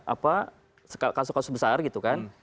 apa kasus kasus besar gitu kan